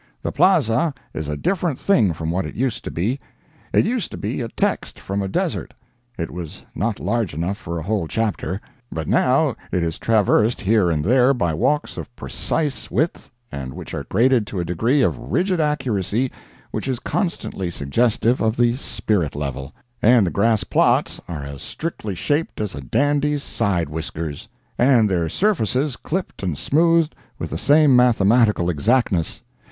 The Plaza is a different thing from what it used to be; it used to be a text from a desert—it was not large enough for a whole chapter; but now it is traversed here and there by walks of precise width, and which are graded to a degree of rigid accuracy which is constantly suggestive of the spirit level; and the grass plots are as strictly shaped as a dandy's side whiskers, and their surfaces clipped and smoothed with the same mathematical exactness.